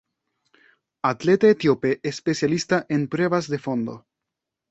Atleta etíope especialista en pruebas de fondo.